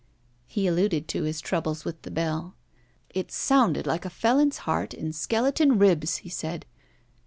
He alluded to his troubles with the Bell. 'It sounded like a felon's heart in skeleton ribs,' he said.